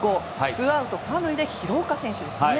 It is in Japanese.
ツーアウト３塁で広岡選手ですね。